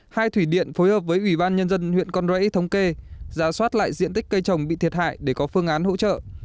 hai thủy điện phối hợp với ubnd huyện con dãy thống kê giả soát lại diện tích cây trồng bị thiệt hại để có phương án hỗ trợ